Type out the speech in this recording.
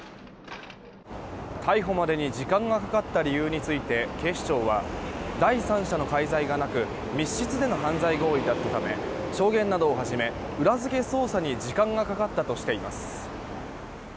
逮捕までに時間がかかった理由について警視庁は、第三者の介在がなく密室での犯罪行為だったため証言などをはじめ、裏付け捜査に時間がかかったとしています。